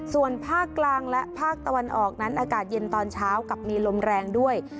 ส่วนภาคกลางและภาคตะวันออกนั้นอากาศเย็นตอนเช้ากับมีลมแรงด้วย